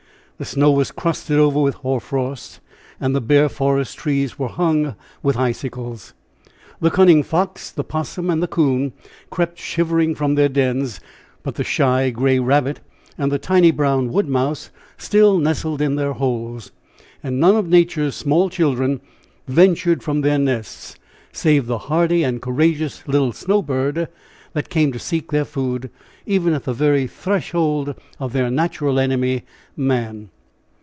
The snow was crusted over with hoar frost, and the bare forest trees were hung with icicles. The cunning fox, the 'possum and the 'coon, crept shivering from their dens; but the shy, gray rabbit, and the tiny, brown wood mouse, still nestled in their holes. And none of nature's small children ventured from their nests, save the hardy and courageous little snow birds that came to seek their food even at the very threshold of their natural enemy man.